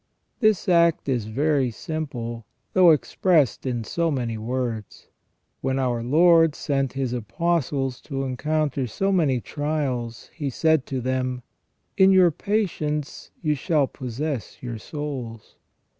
This act is very simple, though expressed in so many words. When our Lord sent His Apostles to encounter so many trials, He said to them :" In your patience you shall possess your souls".